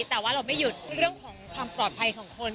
แต่ว่าเราไม่หยุดเรื่องของความปลอดภัยของคน